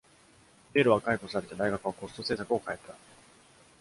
ゲイルは解雇されて大学はコスト政策を変えた。